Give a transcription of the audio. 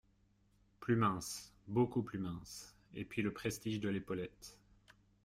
Plus mince… beaucoup plus mince… et puis le prestige de l’épaulette !